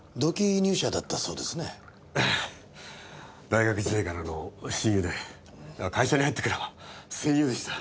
大学時代からの親友で会社に入ってからは戦友でした。